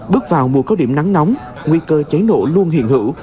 bước vào mùa cao điểm nắng nóng nguy cơ cháy nổ luôn hiện hữu